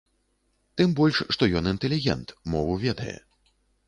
Тым больш, што ён інтэлігент, мову ведае.